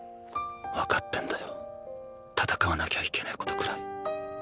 分かってんだよ戦わなきゃいけねえことくらい。